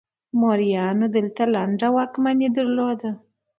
موریانو دلته لنډه واکمني درلوده